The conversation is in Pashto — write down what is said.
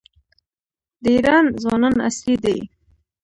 د ایران ځوانان عصري دي.